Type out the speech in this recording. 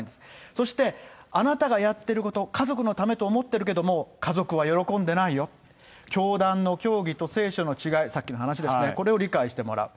そして、あなたがやってること、家族のためと思ってるけども、家族は喜んでないよ、教団の教義と聖書の違い、さっきの話ですね、これを理解してもらう。